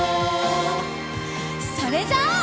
それじゃあ。